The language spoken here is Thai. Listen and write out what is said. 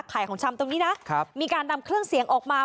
ของชำตรงนี้นะครับมีการนำเครื่องเสียงออกมา